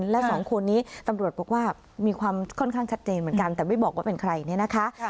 และ๒คนนี้ตำรวจบอกว่ามีความค่อนข้างชัดเจนเหมือนกัน